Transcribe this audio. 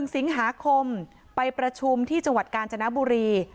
๑สิงหาคมไปประชุมที่จังหวัดกาญจนบุรี